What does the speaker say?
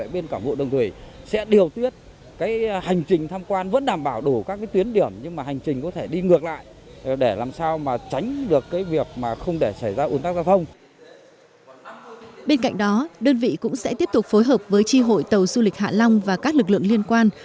bên cạnh đó đơn vị cũng sẽ tiếp tục phối hợp với tri hội tàu du lịch hạ long và các lực lượng liên quan